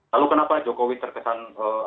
lalu kenapa jokowi terkesan